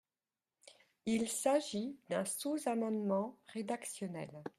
Il s’agit d’un sous-amendement rédactionnel.